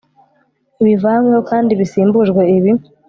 bivanyweho kandi bisimbujwe ibi